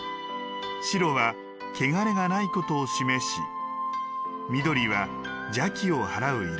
白は、けがれがない事を示し緑は邪気をはらう色。